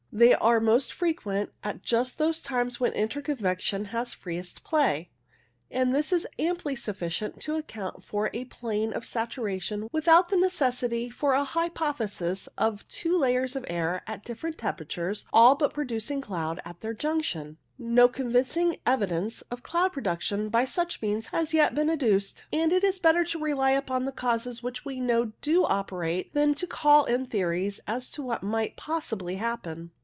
They are most frequent at just those times when interconvection has freest play, and this is amply sufficient to account for a plane of saturation without any necessity for a hypothesis of two layers of air at different temperatures all WAVE MOVEMENTS 133 but producing cloud at their junction. No con vincing evidence of cloud production by such means has yet been adduced, and it is better to rely upon causes which we know do operate than to call in theories as to what might possibly happen.